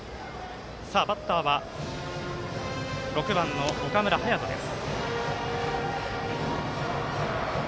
バッターは６番の岡村颯大です。